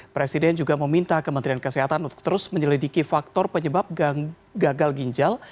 presiden juga meminta kementerian kesehatan untuk terus menyelidiki faktor penyebab gagal ginjal